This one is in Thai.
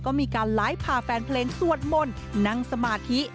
ก็มีการไลฟ์พาแฟนเพลงสวดมนต์นั่งสมาธิ